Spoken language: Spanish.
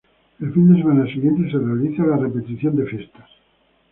El fin de semana siguiente se realiza la repetición de fiestas.